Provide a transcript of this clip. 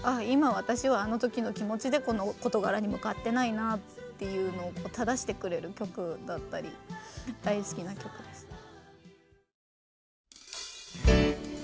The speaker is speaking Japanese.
今私はあの時の気持ちでこの事柄に向かってないなっていうのを正してくれる曲だったり大好きな曲です。